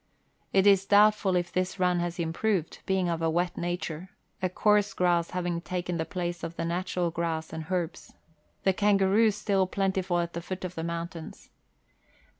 It is doubtful if this run has improved, being of a wet nature, a coarse grass having taken the place of the natural grass and herbs. The kangaroo still plentiful at the foot of the mountains.